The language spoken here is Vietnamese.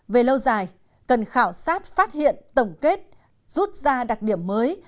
về lâu dài cần khảo sát phát hiện tổng kết rút ra đặc điểm mới